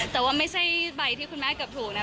แต่ว่าไม่ใช่ใบที่คุณแม่เกือบถูกนะ